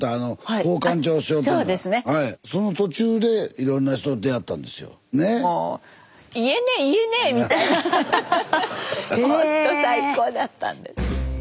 ほんと最高だったんです。